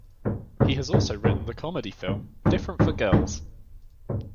He has also written the comedy film "Different for Girls".